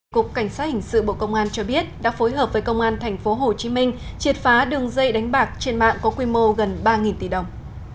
cục cảnh sát hình sự bộ công an cho biết đã phối hợp với công an tp hcm triệt phá đường dây đánh bạc trên mạng có quy mô gần ba tỷ đồng